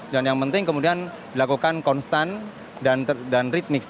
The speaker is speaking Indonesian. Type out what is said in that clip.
dan yang penting kemudian dilakukan konstan dan ritmik